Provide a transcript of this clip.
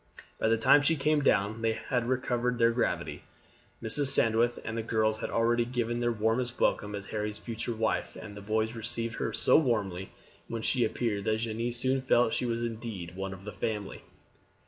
By the time she came down they had recovered their gravity. Mrs. Sandwith and the girls had already given her the warmest welcome as Harry's future wife, and the boys received her so warmly when she appeared that Jeanne soon felt that she was indeed one of the family.